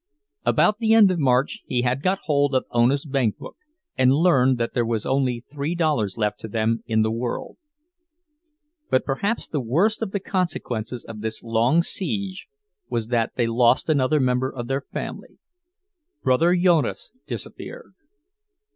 About the end of March he had got hold of Ona's bankbook, and learned that there was only three dollars left to them in the world. But perhaps the worst of the consequences of this long siege was that they lost another member of their family; Brother Jonas disappeared.